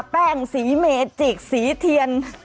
อ๋อเป็งสีเมจิกสีเทียน